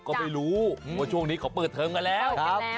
ก็ไม่รู้ว่าช่วงนี้เขาเปิดเทอมกันแล้ว